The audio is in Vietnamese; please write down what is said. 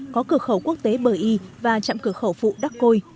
có cửa khẩu quốc tế bờ y và trạm cửa khẩu phụ đắc côi